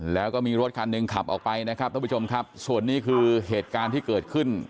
แล้วก็มีรถคันหนึ่งขับออกไปนะครับท่านผู้ชมครับส่วนนี้คือเหตุการณ์ที่เกิดขึ้น